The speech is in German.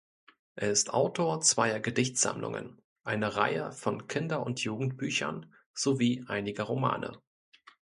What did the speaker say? Er ist Autor zweier Gedichtsammlungen, einer Reihe von Kinder- und Jugendbüchern sowie einiger Romane.